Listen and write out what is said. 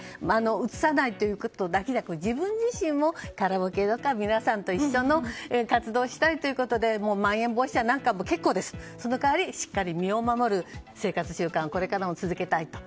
うつさないというだけでなく自分自身も、カラオケだとか皆さんと一緒の活動をしたいということでまん延防止とかでも結構ですその代わりしっかり身を守る生活習慣をこれからも続けたいと。